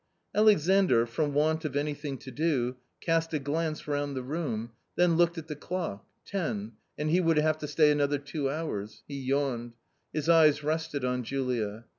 Alexandr, from want of anything to do, cast a glance round the room, then looked at the clock — ten, and he would have to stay another two hours ; he yawned. His eyes rested on Julia.